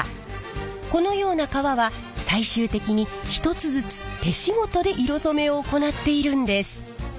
このような革は最終的に１つずつ手仕事で色染めを行っているんです。